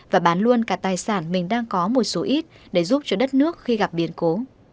và bán luôn cả tài sản mình đang có một số ít để giúp cho đất nước khi gặp biến cố